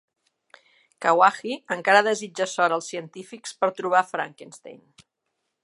Kawaji encara desitja sort als científics per trobar Frankenstein.